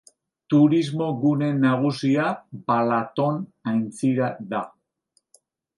Turismo gune nagusia Balaton aintzira da.